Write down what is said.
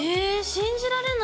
信じられないね。